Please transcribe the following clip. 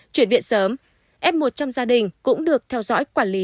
chuyển viện sớm f một trong gia đình cũng được theo dõi quản lý